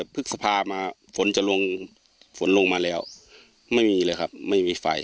พฤษภามาฝนจะลงฝนลงมาแล้วไม่มีเลยครับไม่มีไฟ